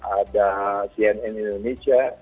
ada cnn indonesia